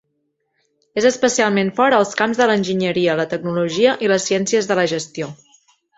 És especialment fort als camps de l"enginyeria, la tecnologia i les ciències de la gestió.